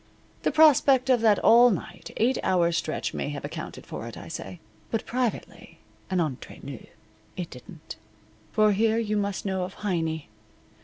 The prospect of that all night, eight hour stretch may have accounted for it, I say. But privately, and entre nous, it didn't. For here you must know of Heiny.